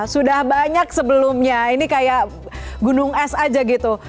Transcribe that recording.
sudah banyak sebelumnya ini kayak gunung es aja gitu